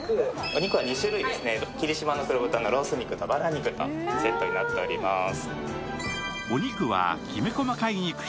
お肉は２種類ですね、霧島黒豚のロース肉とばら肉とがセットになっております。